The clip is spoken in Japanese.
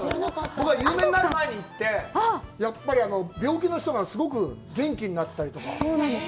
僕は有名になる前に行って、やっぱり病気の人がすごく元気になったりとか。